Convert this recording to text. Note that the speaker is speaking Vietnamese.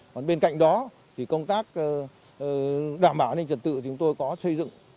còn bên cạnh đó thì công tác đảm bảo an ninh trật tự chúng tôi có xây dựng